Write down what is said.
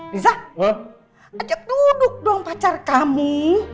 lisa ajak duduk dong pacar kami